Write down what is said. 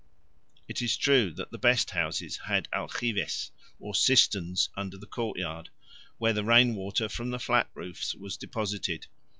It is true that the best houses had algibes, or cisterns, under the courtyard, where the rainwater from the flat roofs was deposited.